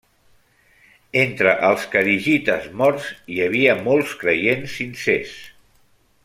Entre els kharigites morts hi havia molts creients sincers.